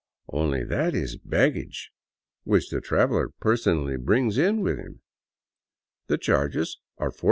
" Only that is baggage which the traveler personally brings in with him. The charges are $42.